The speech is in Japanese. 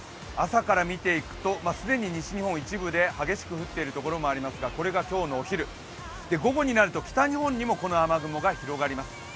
朝から見ていくと既に西日本既に激しく降ってるところもありますが、これが今日のお昼、午後になると北日本にもこの雨雲が広がります。